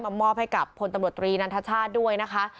มอบให้กับพลตำรวจตรีนันทชาติด้วยนะคะ